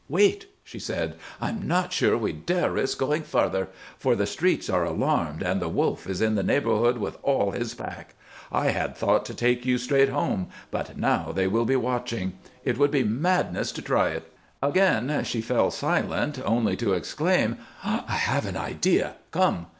"Wait!" she said. "I am not sure we dare risk going farther, for the streets are alarmed and the Wolf is in the neighborhood with all his pack. I had thought to take you straight home, but now they will be watching. It would be madness to try it." Again she fell silent, only to exclaim: "I have an idea. Come!"